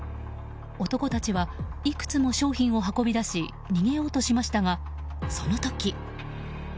男たちはいくつも商品を運び出し逃げようとしましたがその時。